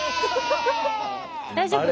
大丈夫？